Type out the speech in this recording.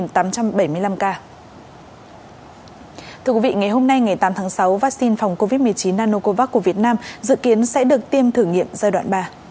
thưa quý vị ngày hôm nay ngày tám tháng sáu vaccine phòng covid một mươi chín nanocovax của việt nam dự kiến sẽ được tiêm thử nghiệm giai đoạn ba